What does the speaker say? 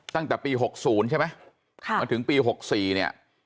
ตั้งแต่ปี๖๐ใช่ไหมมาถึงปี๖๔เนี่ย